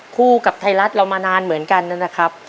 กับไทยรัฐเรามานานเหมือนกันนะครับ